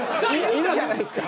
いるじゃないですか！